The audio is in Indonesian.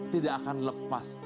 tidak akan lepas